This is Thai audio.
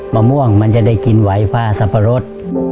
มะม่วงมันจะได้กินไหวผ้าสับปะรด